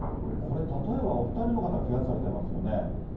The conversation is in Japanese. これ、例えばお２人の方、けがされてますよね。